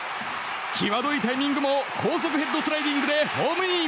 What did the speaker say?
際どいタイミングも高速ヘッドスライディングでホームイン！